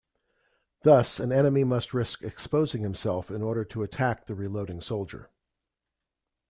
Thus, an enemy must risk exposing himself in order to attack the reloading soldier.